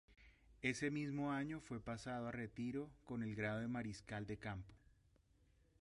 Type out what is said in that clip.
Ese mismo año fue pasado a retiro con el grado de mariscal de campo.